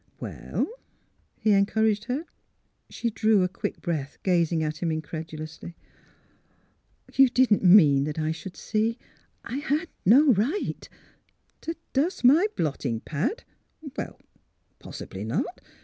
'' Well? " he encouraged her. She drew a quick breath, gazing at him in credulously. " You didn't mean that I — should see. I had no right "^' To dust my blotting pad? Well, possibly not.